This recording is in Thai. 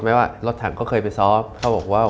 ไม่ว่ารถถังก็เคยไปซอฟต์แล้วบอกว่า